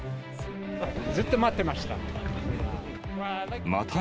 ずっと待ってました。